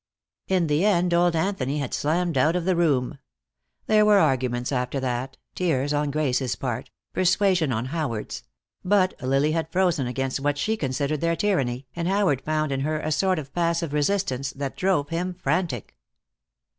In the end old Anthony had slammed out of the room. There were arguments after that, tears on Grace's part, persuasion on Howard's; but Lily had frozen against what she considered their tyranny, and Howard found in her a sort of passive resistance, that drove him frantic.